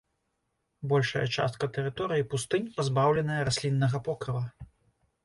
Большая частка тэрыторыі пустынь пазбаўленая расліннага покрыва.